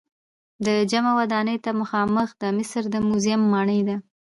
د مجمع ودانۍ ته مخامخ د مصر د موزیم ماڼۍ ده.